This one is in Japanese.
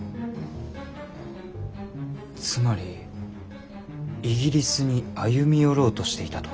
つまりイギリスに歩み寄ろうとしていたと？